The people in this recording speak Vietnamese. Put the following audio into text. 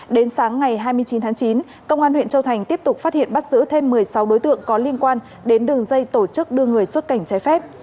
đến sáng ngày hai mươi chín tháng chín công an huyện châu thành tiếp tục phát hiện bắt giữ thêm một mươi sáu đối tượng có liên quan đến đường dây tổ chức đưa người xuất cảnh trái phép